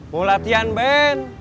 mau latihan ben